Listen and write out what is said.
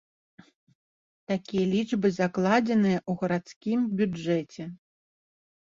Такія лічбы закладзеныя ў гарадскім бюджэце.